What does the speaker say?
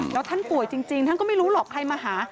แล้วท่านป่วยจริงท่านก็ไม่รู้หรอกใครมาหา